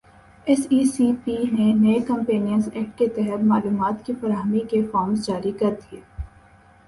S E C P نے نئے companies act کے تحت معلومات کی فراہمی کے فارمز جاری کردیئے